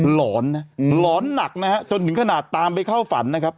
หลอนนะหลอนหนักนะฮะจนถึงขนาดตามไปเข้าฝันนะครับ